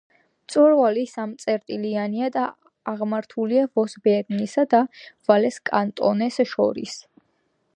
მწვერვალი სამწერტილიანია და აღმართულია ვოს, ბერნისა და ვალეს კანტონებს შორის.